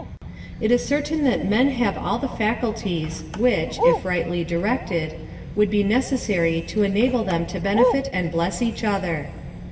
It is certain that men have all the faculties, which, if rightly directed, would be necessary to enable them to benefit and bless each other.